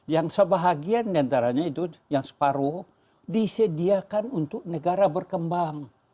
yang sebahagian diantaranya itu yang separuh disediakan untuk negara berkembang